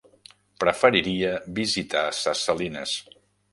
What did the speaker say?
Preferiria visitar Ses Salines.